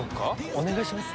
お願いします